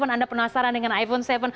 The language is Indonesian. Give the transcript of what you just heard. anda penasaran dengan iphone tujuh